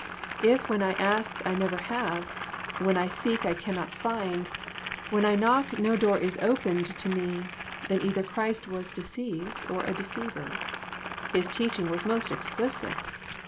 If when I ask I never have ; when I seek I cannot find ; when I knock no door is opened to me, then either Christ was deceived or a deceiver. His teaching was most explicit.